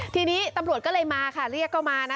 ทีนี้ตำรวจก็เลยมาค่ะเรียกก็มานะ